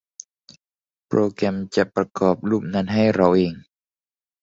โปรแกรมจะประกอบรูปนั้นให้เราเอง !